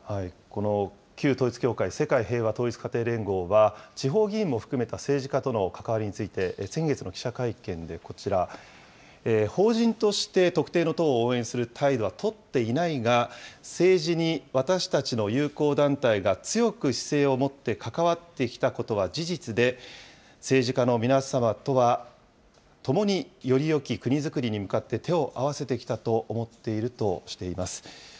この旧統一教会、世界平和統一家庭連合は、地方議員も含めた政治家との関わりについて、先月の記者会見でこちら、法人として特定の党を応援する態度は取っていないが、政治に私たちの友好団体が強く姿勢を持って関わってきたことは事実で、政治家の皆さまとはともによりよき国づくりに向かって手を合わせてきたと思っているとしています。